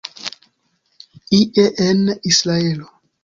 Ie en Israelo.